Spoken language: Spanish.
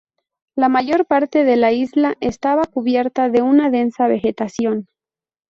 La mayor parte de la isla está cubierta de una densa vegetación.